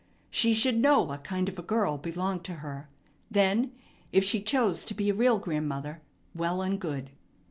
She should know what kind of a girl belonged to her. Then, if she chose to be a real grandmother, well and good.